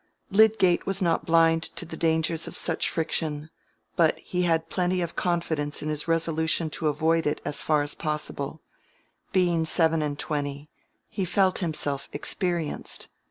Lydgate was not blind to the dangers of such friction, but he had plenty of confidence in his resolution to avoid it as far as possible: being seven and twenty, he felt himself experienced.